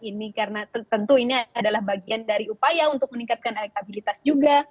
ini karena tentu ini adalah bagian dari upaya untuk meningkatkan elektabilitas juga